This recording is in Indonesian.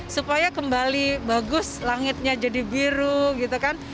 supaya kembali bagus langitnya jadi biru gitu kan